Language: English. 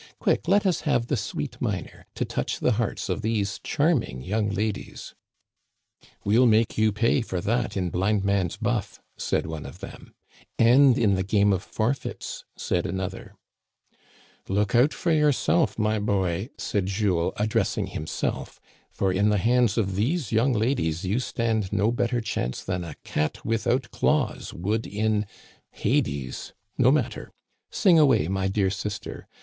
Quick, let us have the sweet minor, to touch the hearts of these charming young ladies !" "We'll make you pay for that in blindman's buff," said one of them. Digitized by VjOOQIC THE FAMILY HEARTH. 263 " And in the game of forfeits," said another. "Look out for yourself, my boy," said Jules, ad dressing himself, " for in the hands of these young ladies you stand no better chance than a cat without claws would in — hades! No matter. Sing away, my dear sister.